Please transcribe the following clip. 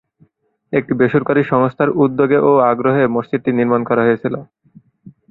একটি বেসরকারী সংস্থার উদ্যোগ ও আগ্রহে মসজিদটি নির্মাণ করা হয়েছিল।